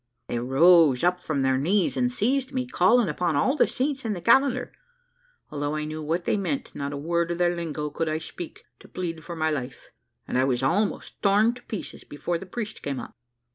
They rose up from their knees and seized me, calling upon all the saints in the calendar. Although I knew what they meant, not a word of their lingo could I speak, to plead for my life, and I was almost torn to pieces before the priest came up.